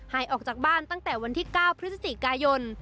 หายออกจากบ้านตั้งแต่วันที่๙พฤศจิกายน